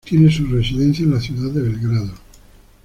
Tiene su residencia en la ciudad de Belgrado.